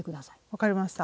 分かりました。